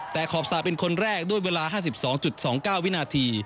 แต่ขอบสระเป็นคนแรกด้วยเวลา๕๒๒๙วินาที